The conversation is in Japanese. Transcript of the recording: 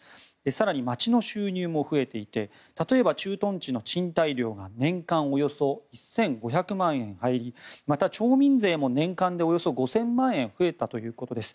更に町の収入も増えていて例えば、駐屯地の賃貸料が年間およそ１５００万円入りまた町民税も年間でおよそ５０００万円増えたということです。